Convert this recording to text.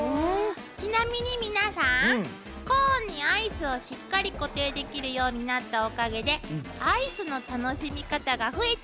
ちなみに皆さんコーンにアイスをしっかり固定できるようになったおかげでああ２段重ねとか３段重ねができる。